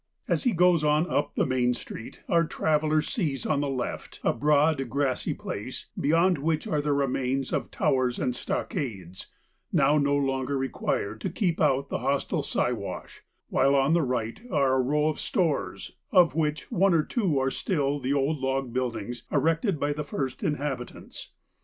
As he goes on up the main street, our traveller sees on the left a broad grassy place beyond which are the remains of towers and stockades, now no longer required to keep out the hostile Siwash, while on the right are a row of stores, of which one or two are still the old log buildings erected by the first inhabitants.